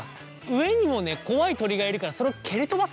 上にもね怖い鳥がいるからそれを蹴り飛ばすんだよね。